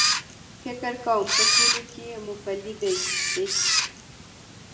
فکر کوم په ټولو کې مومپلي دي.H